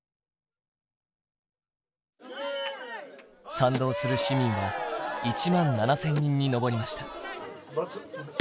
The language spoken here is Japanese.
賛同する市民は１万７，０００人に上りました。